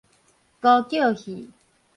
孤腳戲